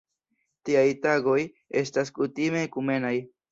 Tiaj tagoj estas kutime ekumenaj.